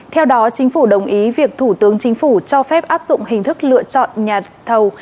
theo đó chính phủ đồng ý việc thủ tướng chính phủ cho phép áp dụng hình thức lựa chọn nhà thầu